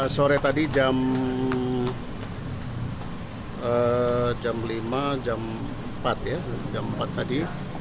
sore tadi jam lima jam empat ya jam empat tadi